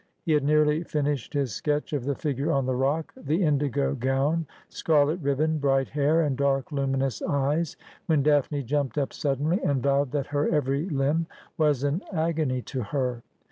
He had nearly finished his sketch of the figure on the rock — the indigo gown, scarlet ribbon, bright hair, and dark luminous eyes, when Daphne jumped up suddenly, and vowed that her every limb was an agony to her.